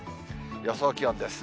予想気温です。